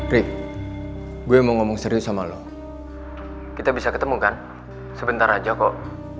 rih gue mau ngomong serius sama lo kita bisa ketemu kan sebentar aja kok